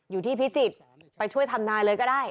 พิจิตรไปช่วยทำนายเลยก็ได้